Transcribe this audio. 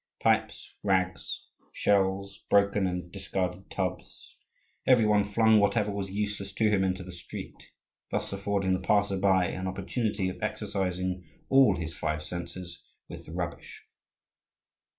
Pipes, rags, shells, broken and discarded tubs: every one flung whatever was useless to him into the street, thus affording the passer by an opportunity of exercising all his five senses with the rubbish.